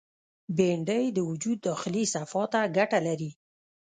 بېنډۍ د وجود داخلي صفا ته ګټه لري